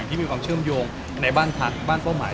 ที่มีความเชื่อมโยงในบ้านพลังหมาย